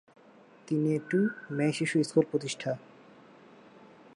তিনি একটি মেয়েশিশু স্কুল প্রতিষ্ঠা।